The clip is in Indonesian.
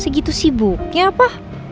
segitu sibuknya apa